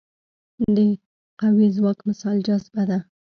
د قوي ځواک مثال جاذبه ده.